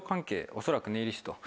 おそらくネイリスト。